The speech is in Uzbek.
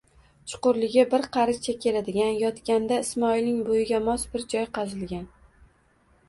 Chuqurligi bir qarichcha keladigan, yotganda Ismoilning bo'yiga mos bir joy qazilgan.